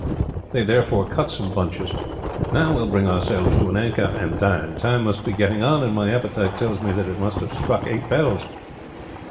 They therefore cut some bunches. "Now we will bring ourselves to an anchor and dine. Time must be getting on, and my appetite tells me that it must have struck eight bells."